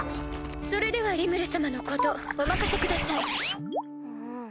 それではリムル様のことお任せください。